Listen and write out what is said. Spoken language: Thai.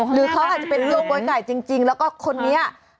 หรือเขาอาจจะเป็นโรคโกยไก่จริงแล้วก็คนนี้